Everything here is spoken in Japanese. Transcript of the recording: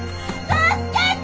助けて！